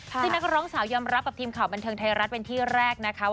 ซึ่งนักร้องสาวยอมรับกับทีมข่าวบันเทิงไทยรัฐเป็นที่แรกนะคะว่า